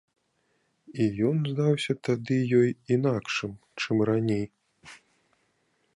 І ён здаўся тады ёй інакшым, чым раней.